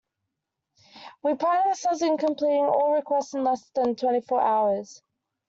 We pride ourselves in completing all requests in less than twenty four hours.